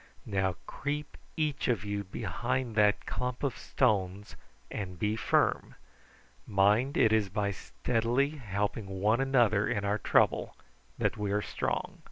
Now creep each of you behind that clump of stones and be firm. Mind it is by steadily helping one another in our trouble that we are strong."